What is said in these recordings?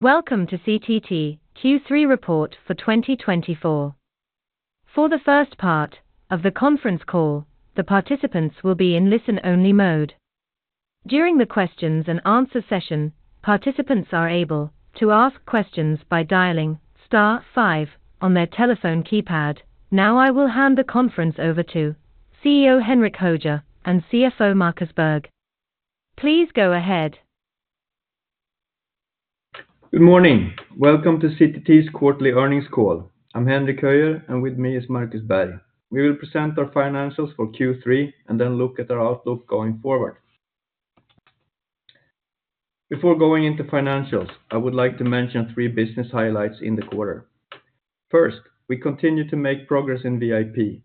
Welcome to CTT Q3 report for 2024. For the first part of the conference call, the participants will be in listen-only mode. During the questions and answer session, participants are able to ask questions by dialing star five on their telephone keypad. Now, I will hand the conference over to CEO Henrik Höjer and CFO Markus Berg. Please go ahead. Good morning. Welcome to CTT's quarterly earnings call. I'm Henrik Höjer, and with me is Markus Berg. We will present our financials for Q3, and then look at our outlook going forward. Before going into financials, I would like to mention three business highlights in the quarter. First, we continue to make progress in VIP.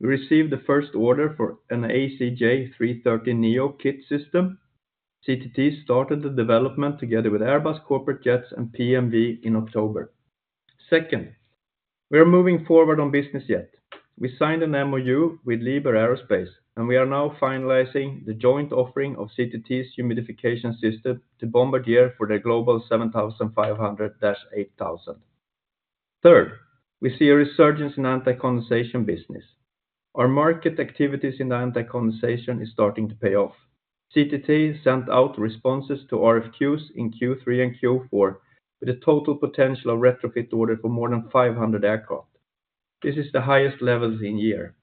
We received the first order for an ACJ330neo kit system. CTT started the development together with Airbus Corporate Jets and PMV in October. Second, we are moving forward on business jet. We signed an MOU with Liebherr-Aerospace, and we are now finalizing the joint offering of CTT's humidification system to Bombardier for their Global 7500-8000. Third, we see a resurgence in anti-condensation business. Our market activities in the anti-condensation is starting to pay off. CTT sent out responses to RFQs in Q3 and Q4 with a total potential of retrofit order for more than 500 aircraft. This is the highest levels in year.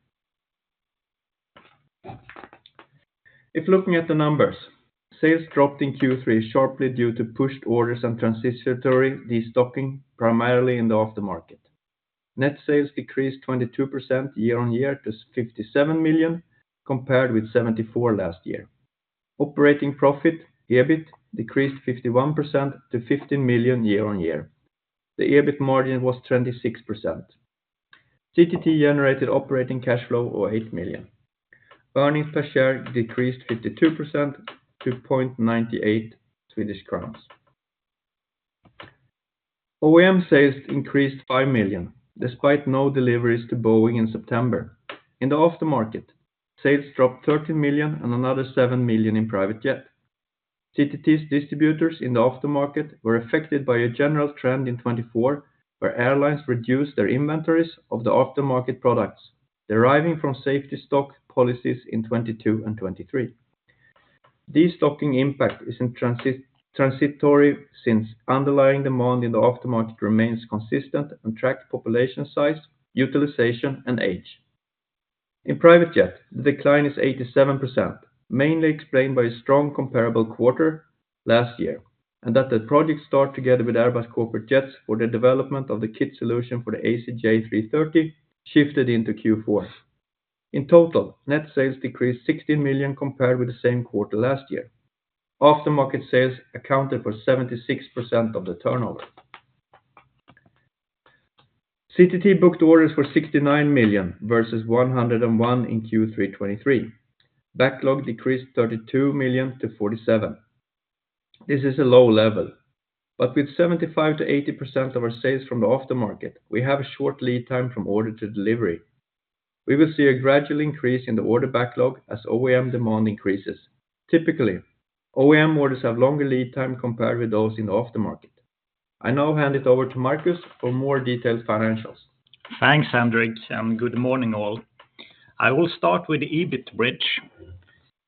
If looking at the numbers, sales dropped in Q3 sharply due to pushed orders and transitory destocking, primarily in the aftermarket. Net sales decreased 22% year-on-year to 57 million, compared with 74 million last year. Operating profit, EBIT, decreased 51% to 15 million year-on-year. The EBIT margin was 26%. CTT generated operating cash flow of 8 million. Earnings per share decreased 52% to 0.98 Swedish crowns. OEM sales increased 5 million, despite no deliveries to Boeing in September. In the aftermarket, sales dropped 13 million and another 7 million in private jet. CTT's distributors in the aftermarket were affected by a general trend in 2024, where airlines reduced their inventories of the aftermarket products, deriving from safety stock policies in 2022 and 2023. Destocking impact is transitory, since underlying demand in the aftermarket remains consistent and tracked population size, utilization, and age. In private jet, the decline is 87%, mainly explained by a strong comparable quarter last year, and that the project start, together with Airbus Corporate Jets, for the development of the kit solution for the ACJ330 shifted into Q4. In total, net sales decreased 16 million compared with the same quarter last year. Aftermarket sales accounted for 76% of the turnover. CTT booked orders for 69 million versus 101 in Q3 2023. Backlog decreased 32 million to 47. This is a low level, but with 75%-80% of our sales from the aftermarket, we have a short lead time from order to delivery. We will see a gradual increase in the order backlog as OEM demand increases. Typically, OEM orders have longer lead time compared with those in the aftermarket. I now hand it over to Marcus for more detailed financials. Thanks, Henrik, and good morning, all. I will start with the EBIT bridge.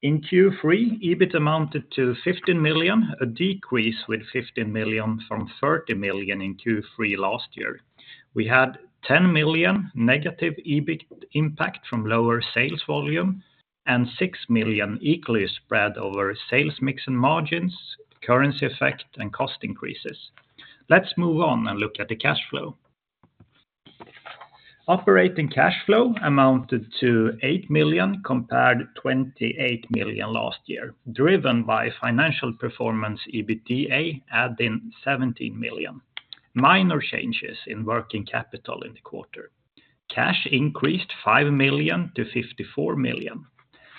In Q3, EBIT amounted to 15 million, a decrease with 15 million from 30 million in Q3 last year. We had 10 million negative EBIT impact from lower sales volume and 6 million equally spread over sales mix and margins, currency effect, and cost increases. Let's move on and look at the cash flow. Operating cash flow amounted to 8 million compared 28 million last year, driven by financial performance, EBITDA, adding 17 million. Minor changes in working capital in the quarter. Cash increased 5 million to 54 million.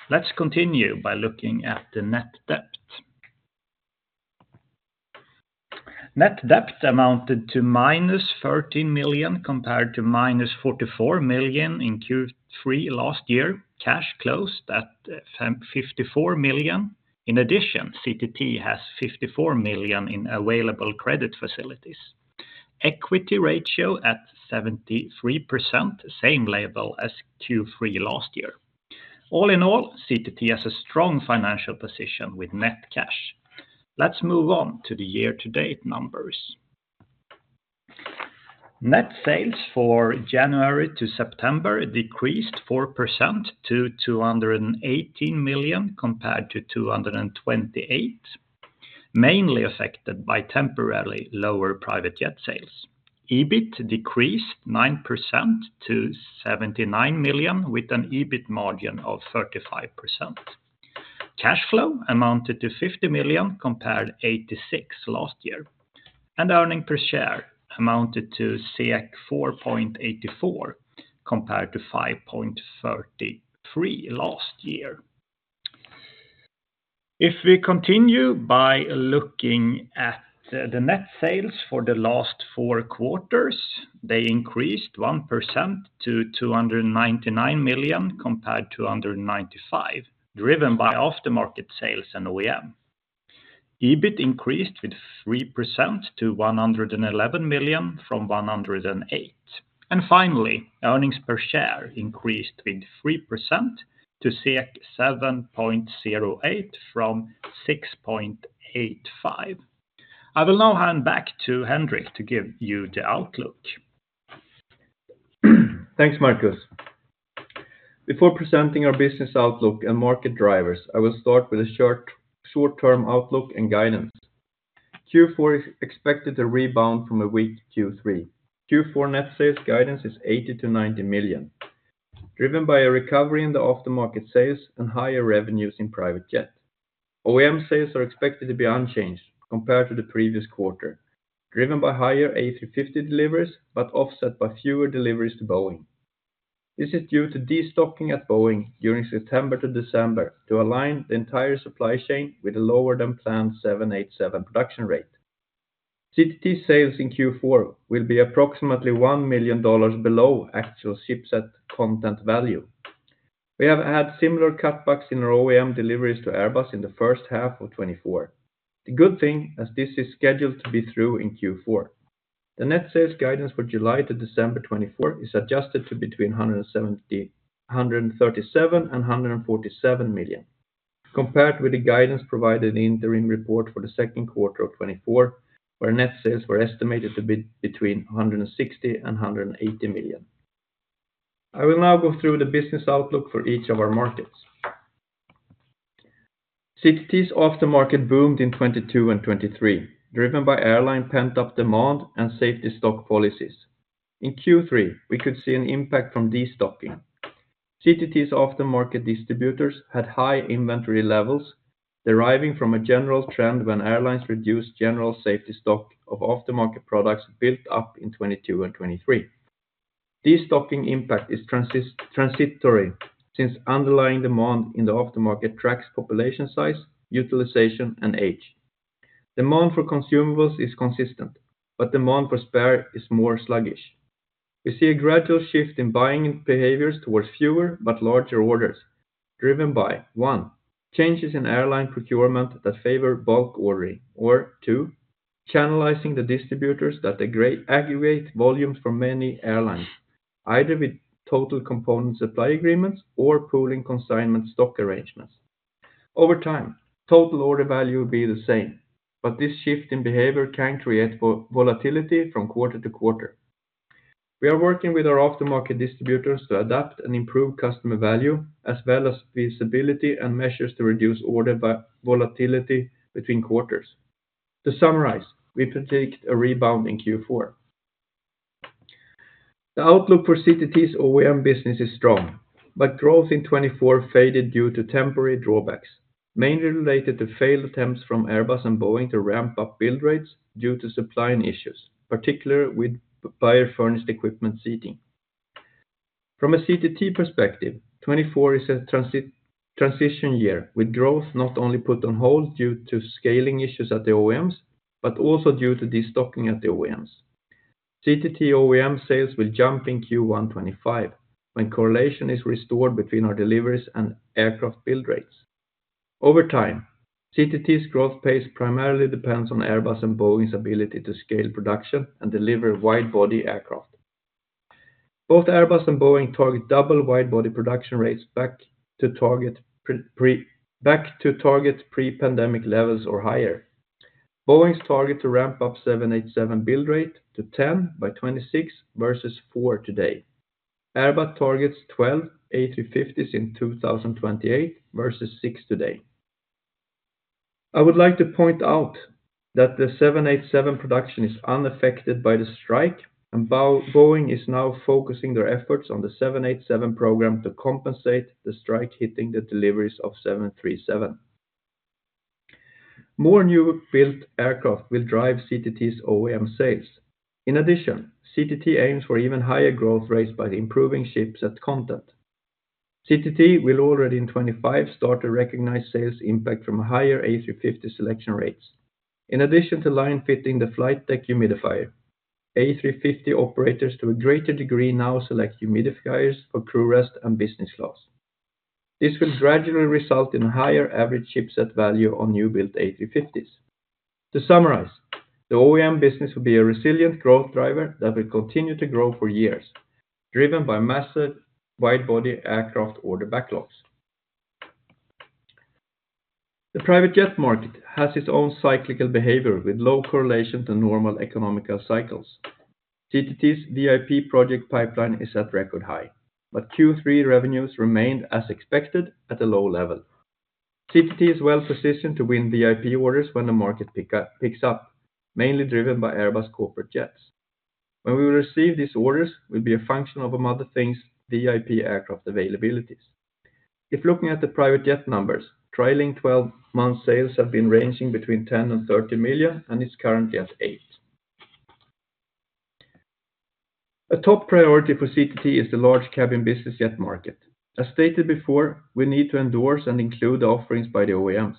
Let's continue by looking at the net debt. Net debt amounted to minus 13 million, compared to minus 44 million in Q3 last year. Cash closed at 54 million. In addition, CTT has 54 million in available credit facilities. Equity ratio at 73%, same level as Q3 last year. All in all, CTT has a strong financial position with net cash. Let's move on to the year-to-date numbers. Net sales for January to September decreased 4% to 218 million, compared to 228 million, mainly affected by temporarily lower private jet sales. EBIT decreased 9% to 79 million, with an EBIT margin of 35%. Cash flow amounted to 50 million, compared 86 million last year, and earnings per share amounted to 4.84, compared to 5.33 last year. If we continue by looking at the net sales for the last four quarters, they increased 1% to 299 million, compared to 295 million, driven by aftermarket sales and OEM. EBIT increased 3% to 111 million from 108 million. And finally, earnings per share increased 3% to 7.08 from 6.85. I will now hand back to Henrik to give you the outlook. Thanks, Marcus. Before presenting our business outlook and market drivers, I will start with a short, short-term outlook and guidance. Q4 is expected to rebound from a weak Q3. Q4 net sales guidance is 80 million to 90 million, driven by a recovery in the aftermarket sales and higher revenues in private jet. OEM sales are expected to be unchanged compared to the previous quarter, driven by higher A350 deliveries, but offset by fewer deliveries to Boeing. This is due to destocking at Boeing during September to December to align the entire supply chain with a lower than planned 787 production rate. CTT sales in Q4 will be approximately $1 million below actual shipset content value. We have had similar cutbacks in our OEM deliveries to Airbus in the first half of 2024. The good thing, as this is scheduled to be through in Q4, the net sales guidance for July to December 2024 is adjusted to between 137 million and 147 million, compared with the guidance provided in the interim report for the second quarter of 2024, where net sales were estimated to be between 160 million and 180 million. I will now go through the business outlook for each of our markets. CTT's aftermarket boomed in 2022 and 2023, driven by airline pent-up demand and safety stock policies. In Q3, we could see an impact from destocking. CTT's aftermarket distributors had high inventory levels, deriving from a general trend when airlines reduced general safety stock of aftermarket products built up in 2022 and 2023. Destocking impact is transitory, since underlying demand in the aftermarket tracks population size, utilization, and age. Demand for consumables is consistent, but demand for spare is more sluggish. We see a gradual shift in buying behaviors towards fewer, but larger orders, driven by, one, changes in airline procurement that favor bulk ordering, or two, channelizing the distributors that aggregate volumes from many airlines, either with total component supply agreements or pooling consignment stock arrangements. Over time, total order value will be the same, but this shift in behavior can create volatility from quarter to quarter. We are working with our aftermarket distributors to adapt and improve customer value, as well as visibility and measures to reduce order volatility between quarters. To summarize, we predict a rebound in Q4. The outlook for CTT's OEM business is strong, but growth in 2024 faded due to temporary drawbacks, mainly related to failed attempts from Airbus and Boeing to ramp up build rates due to supplying issues, particularly with buyer-furnished equipment seating. From a CTT perspective, 2024 is a transition year, with growth not only put on hold due to scaling issues at the OEMs, but also due to destocking at the OEMs. CTT OEM sales will jump in Q1 2025, when correlation is restored between our deliveries and aircraft build rates. Over time, CTT's growth pace primarily depends on Airbus and Boeing's ability to scale production and deliver wide-body aircraft. Both Airbus and Boeing target double wide-body production rates back to target pre-pandemic levels or higher. Boeing's target to ramp up 787 build rate to 10 by 2026 versus 4 today. Airbus targets twelve A350s in two thousand and twenty-eight versus six today. I would like to point out that the 787 production is unaffected by the strike, and Boeing is now focusing their efforts on the 787 program to compensate the strike hitting the deliveries of 737. More new built aircraft will drive CTT's OEM sales. In addition, CTT aims for even higher growth rates by improving shipset content. CTT will already in twenty-five start to recognize sales impact from higher A350 selection rates. In addition to line fitting the flight deck humidifier, A350 operators, to a greater degree, now select humidifiers for crew rest and business class. This will gradually result in a higher average shipset value on new built A350s. To summarize, the OEM business will be a resilient growth driver that will continue to grow for years, driven by massive wide-body aircraft order backlogs. The private jet market has its own cyclical behavior with low correlation to normal economic cycles. CTT's VIP project pipeline is at record high, but Q3 revenues remained as expected at a low level. CTT is well positioned to win VIP orders when the market picks up, mainly driven by Airbus corporate jets. When we receive these orders, will be a function of, among other things, VIP aircraft availability. If looking at the private jet numbers, trailing twelve-month sales have been ranging between 10 million and 30 million, and is currently at 8 million. A top priority for CTT is the large cabin business jet market. As stated before, we need to endorse and include the offerings by the OEMs.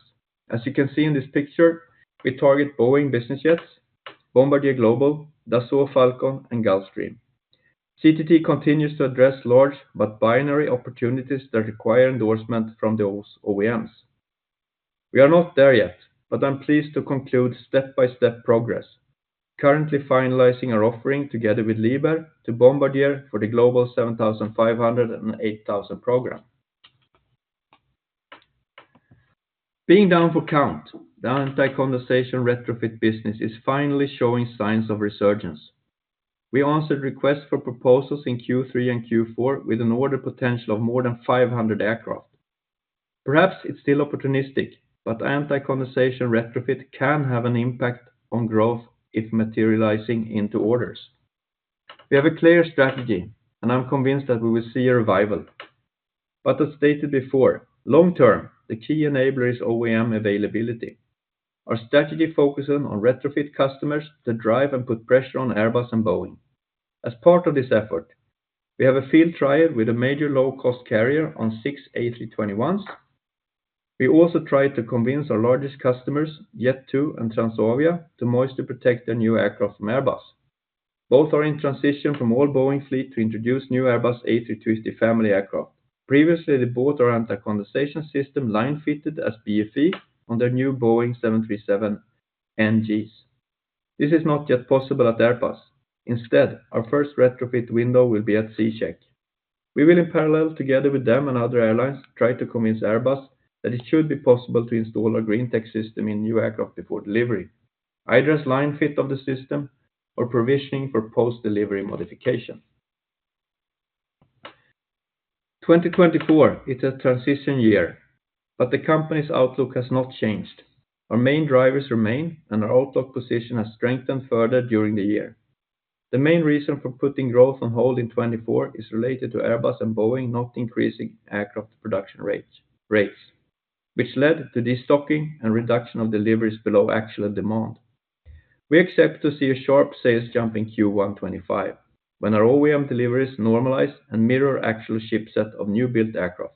As you can see in this picture, we target Boeing Business Jets, Bombardier Global, Dassault Falcon, and Gulfstream. CTT continues to address large but binary opportunities that require endorsement from those OEMs. We are not there yet, but I'm pleased to conclude step-by-step progress, currently finalizing our offering together with Liebherr to Bombardier for the Global 7500 and 8000 program. Being down for the count, the anti-condensation retrofit business is finally showing signs of resurgence. We answered requests for proposals in Q3 and Q4 with an order potential of more than 500 aircraft. Perhaps it's still opportunistic, but anti-condensation retrofit can have an impact on growth if materializing into orders. We have a clear strategy, and I'm convinced that we will see a revival. But as stated before, long term, the key enabler is OEM availability. Our strategy focuses on retrofit customers to drive and put pressure on Airbus and Boeing. As part of this effort, we have a field trial with a major low-cost carrier on six A321s. We also tried to convince our largest customers, Jet2 and Transavia, to moisture control to protect their new aircraft from Airbus. Both are in transition from all Boeing fleet to introduce new Airbus A320 family aircraft. Previously, they bought our anti-condensation system line fitted as BFE on their new Boeing 737 NGs. This is not yet possible at Airbus. Instead, our first retrofit window will be at C-check. We will, in parallel, together with them and other airlines, try to convince Airbus that it should be possible to install our GreenTech system in new aircraft before delivery, either as line fit of the system or provisioning for post-delivery modification. 2024 is a transition year, but the company's outlook has not changed. Our main drivers remain, and our outlook position has strengthened further during the year. The main reason for putting growth on hold in 2024 is related to Airbus and Boeing not increasing aircraft production rates, which led to destocking and reduction of deliveries below actual demand. We expect to see a sharp sales jump in Q1 2025, when our OEM deliveries normalize and mirror actual shipset of new-built aircraft.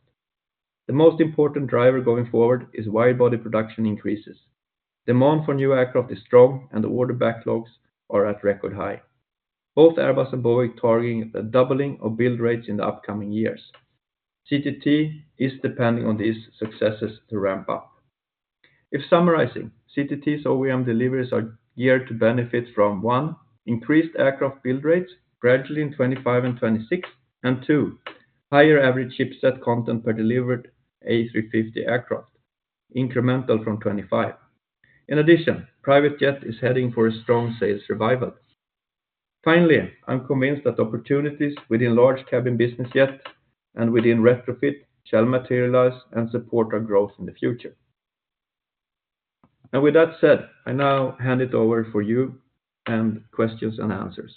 The most important driver going forward is wide-body production increases. Demand for new aircraft is strong, and the order backlogs are at record high. Both Airbus and Boeing targeting a doubling of build rates in the upcoming years. CTT is depending on these successes to ramp up. In summarizing, CTT's OEM deliveries are geared to benefit from one, increased aircraft build rates, gradually in 2025 and 2026, and two, higher average shipset content per delivered A350 aircraft, incremental from 2025. In addition, Private Jet is heading for a strong sales revival. Finally, I'm convinced that opportunities within large cabin business jets and within retrofit shall materialize and support our growth in the future, and with that said, I now hand it over to you for questions and answers.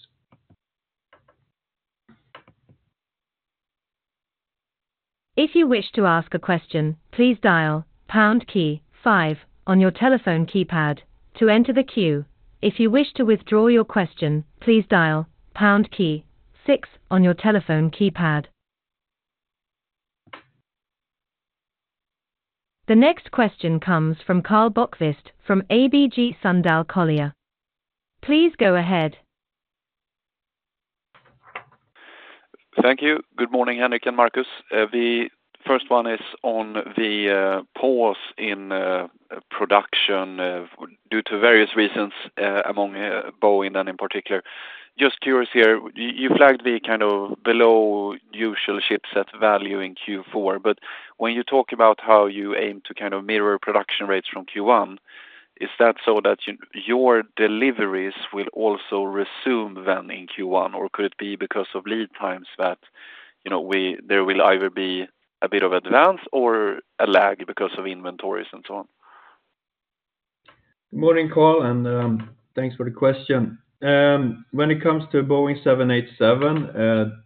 If you wish to ask a question, please dial pound key five on your telephone keypad to enter the queue. If you wish to withdraw your question, please dial pound key six on your telephone keypad. The next question comes from Karl Bokvist from ABG Sundal Collier. Please go ahead. Thank you. Good morning, Henrik and Markus. The first one is on the pause in production due to various reasons among Boeing, and in particular. Just curious here, you flagged the kind of below usual shipset value in Q4, but when you talk about how you aim to kind of mirror production rates from Q1, is that so that your deliveries will also resume then in Q1, or could it be because of lead times that, you know, there will either be a bit of advance or a lag because of inventories and so on? Good morning, Karl, and, thanks for the question. When it comes to Boeing 787,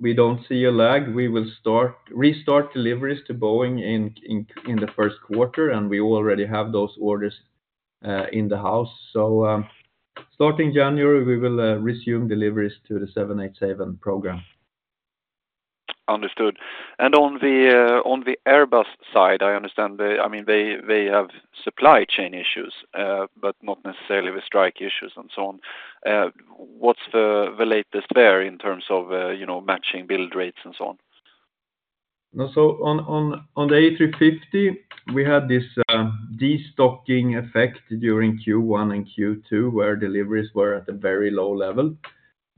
we don't see a lag. We will start, restart deliveries to Boeing in the first quarter, and we already have those orders in the house. So, starting January, we will resume deliveries to the 787 program. Understood. And on the Airbus side, I understand they, I mean, they have supply chain issues, but not necessarily with strike issues and so on. What's the latest there in terms of, you know, matching build rates and so on? On the A350, we had this destocking effect during Q1 and Q2, where deliveries were at a very low level.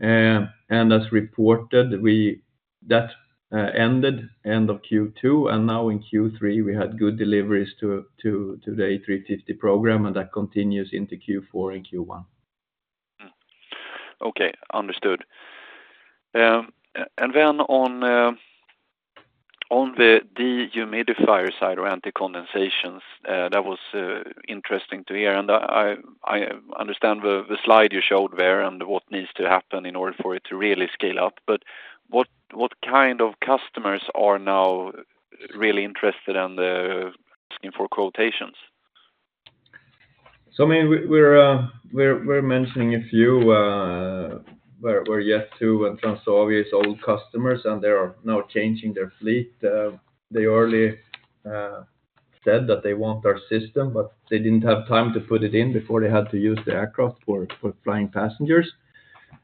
And as reported, that ended end of Q2, and now in Q3, we had good deliveries to the A350 program, and that continues into Q4 and Q1. Okay, understood. And then on the dehumidifier side or anti-condensation, that was interesting to hear, and I understand the slide you showed there and what needs to happen in order for it to really scale up. But what kind of customers are now really interested and asking for quotations? I mean, we're mentioning a few where Jet2 and Transavia is old customers, and they are now changing their fleet. They early said that they want our system, but they didn't have time to put it in before they had to use the aircraft for flying passengers.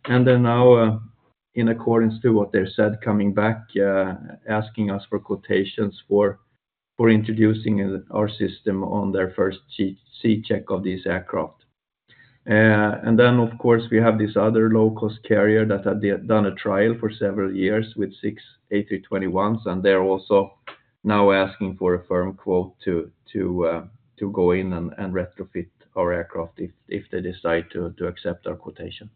And then now, in accordance to what they said, coming back, asking us for quotations for introducing our system on their first C-check of this aircraft. And then, of course, we have this other low-cost carrier that had done a trial for several years with six A321s, and they're also now asking for a firm quote to go in and retrofit our aircraft if they decide to accept our quotation.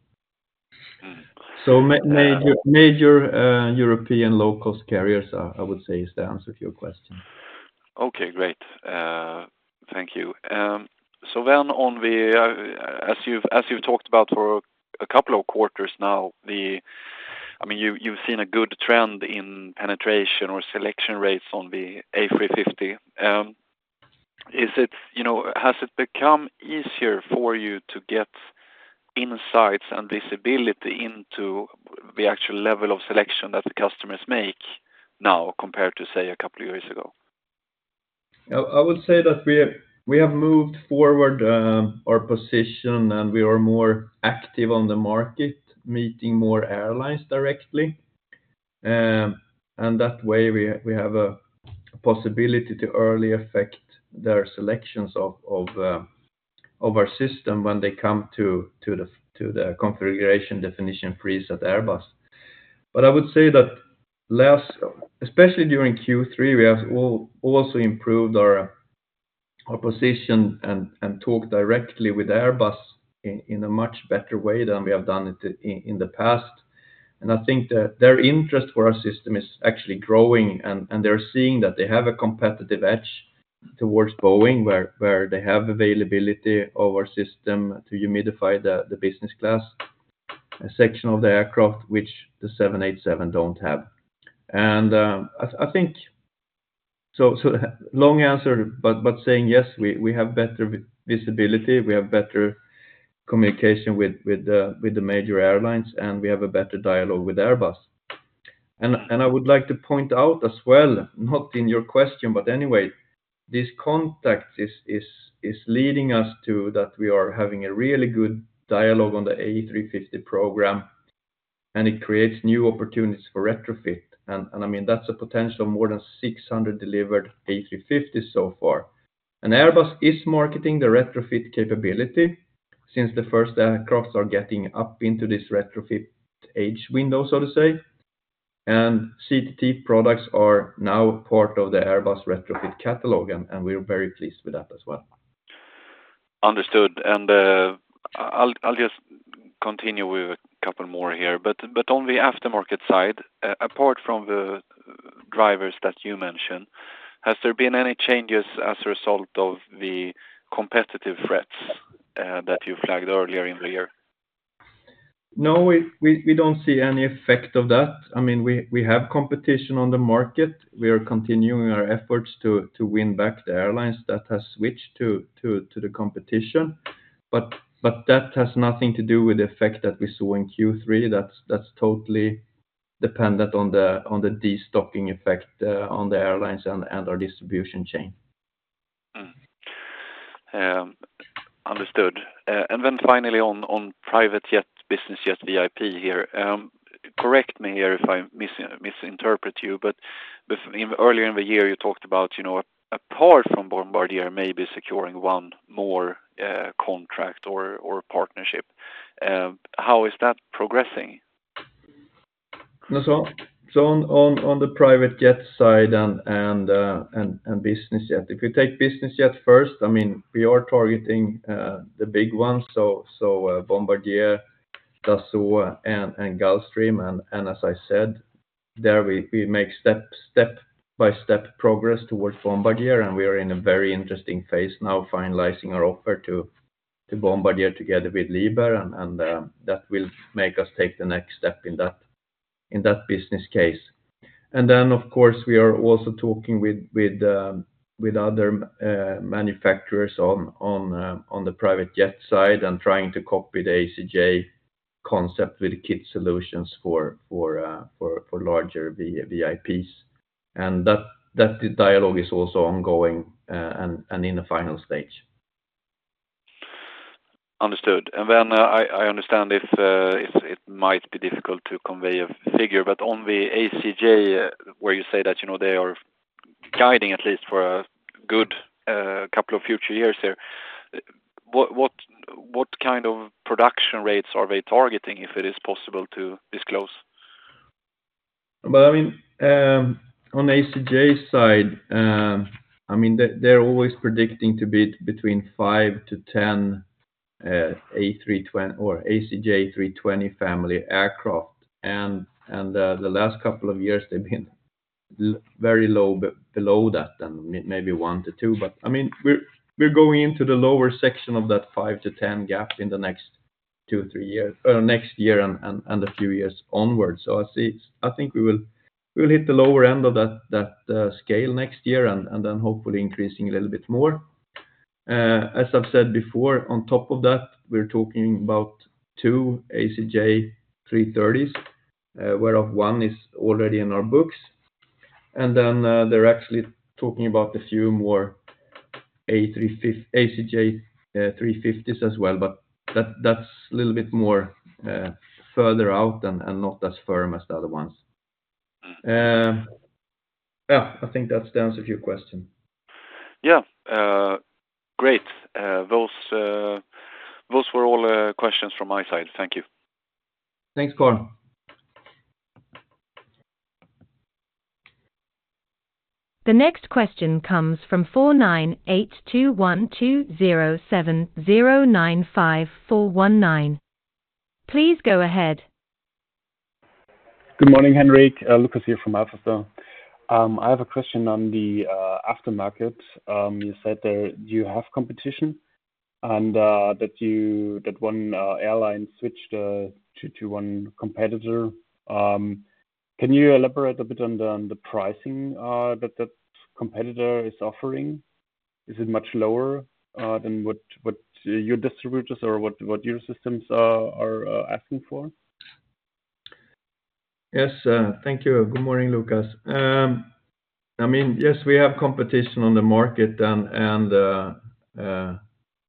Major European low-cost carriers, I would say, is the answer to your question. Okay, great. Thank you. So then on the, as you've talked about for a couple of quarters now, the. I mean, you've seen a good trend in penetration or selection rates on the A350. Is it, you know, has it become easier for you to get insights and visibility into the actual level of selection that the customers make now, compared to, say, a couple of years ago? I would say that we have moved forward our position, and we are more active on the market, meeting more airlines directly. And that way, we have a possibility to early affect their selections of our system when they come to the configuration definition freeze at Airbus. But I would say that last, especially during Q3, we have also improved our position and talk directly with Airbus in a much better way than we have done it in the past. And I think that their interest for our system is actually growing, and they're seeing that they have a competitive edge towards Boeing, where they have availability of our system to humidify the business class, a section of the aircraft which the 787 don't have. And, I think, wrong answer but saying, yes, we have better visibility. We have better communication with the major airlines, and we have a better dialogue with Airbus. I would like to point out as well, not in your question, but anyway, this contact is leading us to that we are having a really good dialogue on the A350 program, and it creates new opportunities for retrofit. I mean, that's a potential more than 600 delivered A350 so far. Airbus is marketing the retrofit capability since the first aircraft are getting up into this retrofit age window, so to say, and CTT products are now part of the Airbus retrofit catalog, and we're very pleased with that as well. Understood. And, I'll just continue with a couple more here. But on the aftermarket side, apart from the drivers that you mentioned, has there been any changes as a result of the competitive threats that you flagged earlier in the year? No, we don't see any effect of that. I mean, we have competition on the market. We are continuing our efforts to win back the airlines that has switched to the competition, but that has nothing to do with the effect that we saw in Q3. That's totally dependent on the destocking effect on the airlines and our distribution chain. Understood. And then finally on private jet, business jet, VIP here. Correct me here if I misinterpret you, but earlier in the year, you talked about, you know, apart from Bombardier, maybe securing one more contract or partnership. How is that progressing? So on the private jet side and business jet. If you take business jet first, I mean, we are targeting the big ones, so Bombardier, Dassault, and Gulfstream, and as I said, there we make step-by-step progress towards Bombardier, and we are in a very interesting phase now, finalizing our offer to Bombardier, together with Liebherr, and that will make us take the next step in that business case. And then, of course, we are also talking with other manufacturers on the private jet side and trying to copy the ACJ concept with kit solutions for larger VIPs. And that dialogue is also ongoing and in the final stage. Understood. And then I understand if it might be difficult to convey a figure, but on the ACJ, where you say that, you know, they are guiding at least for a good couple of future years here, what kind of production rates are they targeting, if it is possible to disclose? I mean, on ACJ side, I mean, they, they're always predicting to be between 5 to 10 A320 or ACJ A320 family aircraft. And the last couple of years, they've been very low, below that, and maybe 1 to 2. But I mean, we're going into the lower section of that 5 to 10 gap in the next 2 or 3 years, next year and a few years onwards. So I see. I think we will hit the lower end of that scale next year, and then hopefully increasing a little bit more. As I've said before, on top of that, we're talking about 2 ACJ330s, whereof 1 is already in our books. And then, they're actually talking about a few more A350 ACJ A350s as well, but that's a little bit more further out and not as firm as the other ones. Yeah, I think that's answered your question. Yeah. Great. Those were all questions from my side. Thank you. Thanks, Karl. The next question comes from four nine eight two one two zero seven zero nine five four one nine. Please go ahead. Good morning, Henrik. Lucas here from Alpha Financial. I have a question on the aftermarket. You said that you have competition and that one airline switched to one competitor. Can you elaborate a bit on the pricing that that competitor is offering? Is it much lower than what your distributors or what your systems are asking for? Yes, thank you. Good morning, Lucas. I mean, yes, we have competition on the market, and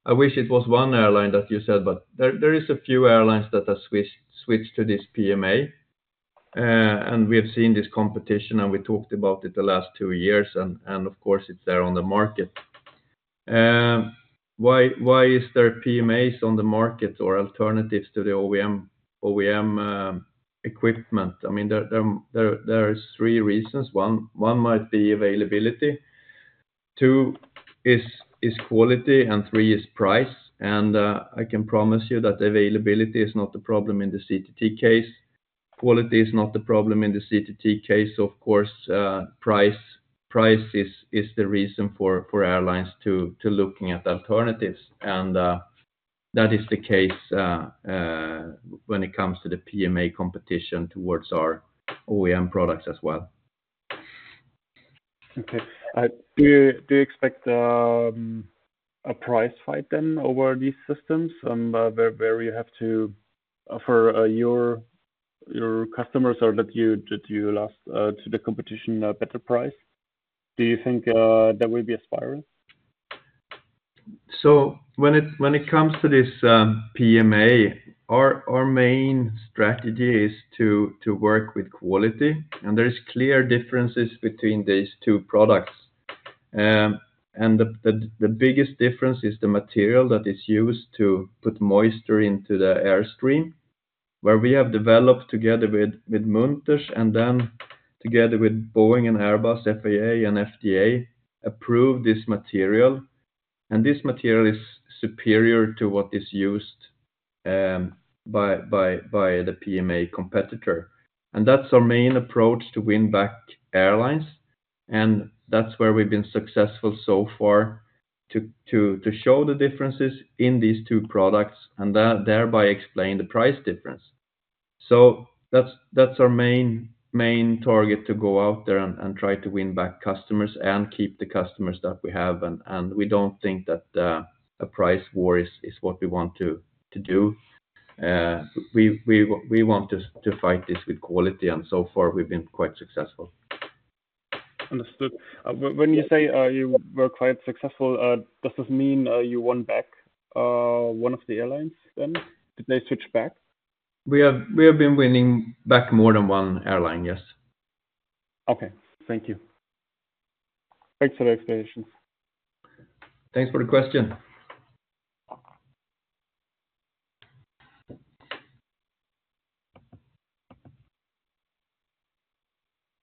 I wish it was one airline, as you said, but there is a few airlines that have switched to this PMA. And we have seen this competition, and we talked about it the last two years, and of course, it's there on the market. Why is there PMAs on the market or alternatives to the OEM equipment? I mean, there is three reasons. One might be availability, two is quality, and three is price. And I can promise you that availability is not the problem in the CTT case. Quality is not the problem in the CTT case. Of course, price is the reason for airlines to looking at alternatives, and that is the case when it comes to the PMA competition towards our OEM products as well. Okay, do you expect a price fight then over these systems, and where you have to offer your customers or that you lost to the competition a better price? Do you think there will be a spiral? So when it comes to this, PMA, our main strategy is to work with quality, and there is clear differences between these two products. And the biggest difference is the material that is used to put moisture into the airstream, where we have developed together with Munters and then together with Boeing and Airbus, FAA, and FDA, approved this material, and this material is superior to what is used by the PMA competitor. And that's our main approach to win back airlines, and that's where we've been successful so far to show the differences in these two products and thereby explain the price difference. So that's our main target, to go out there and try to win back customers and keep the customers that we have. We don't think that a price war is what we want to do. We want to fight this with quality, and so far we've been quite successful. Understood. When you say you were quite successful, does this mean you won back one of the airlines then? Did they switch back? We have been winning back more than one airline, yes. Okay. Thank you. Thanks for the explanation. Thanks for the question.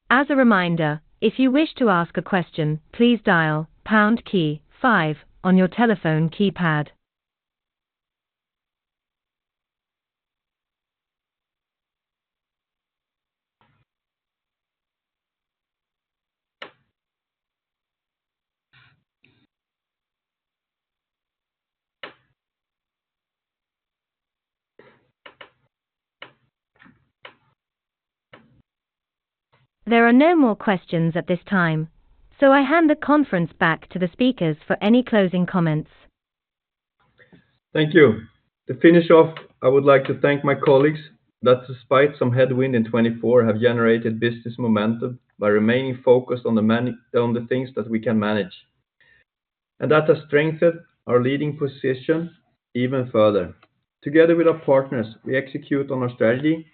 As a reminder, if you wish to ask a question, please dial pound key five on your telephone keypad. There are no more questions at this time, so I hand the conference back to the speakers for any closing comments. Thank you. To finish off, I would like to thank my colleagues that despite some headwind in twenty-four, have generated business momentum by remaining focused on the things that we can manage, and that has strengthened our leading position even further. Together with our partners, we execute on our strategy,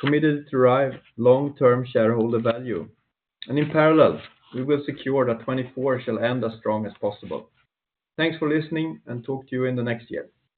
committed to drive long-term shareholder value, and in parallel, we will secure that twenty-four shall end as strong as possible. Thanks for listening, and talk to you in the next year.